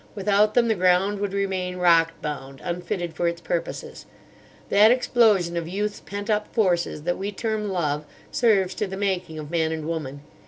Without them the ground would remain rock bound, unfitted for its purposes. That explosion of Youth's pent up forces that we term Love serves to the making of man and woman.